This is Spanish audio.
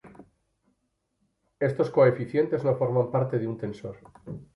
Estos coeficientes no forman parte de un tensor.